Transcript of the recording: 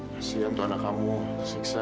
kasihan tuh anak kamu nyiksa